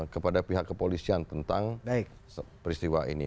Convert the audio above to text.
kepada pihak kepolisian tentang peristiwa ini